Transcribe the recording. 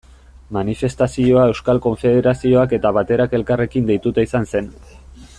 Manifestazioa Euskal Konfederazioak eta Baterak elkarrekin deitua izan zen.